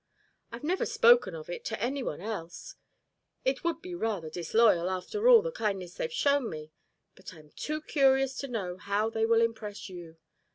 I've never spoken of it to anyone else; it would be rather disloyal, after all the kindness they've shown me; but I'm too curious to know how they will impress you.